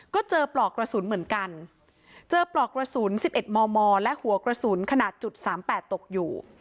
ก็เจอปลอกกระสุนเหมือนกันเจอปลอกกระสุน๑๑มมและหัวกระสุนขนาดจุดสามแปดตกอยู่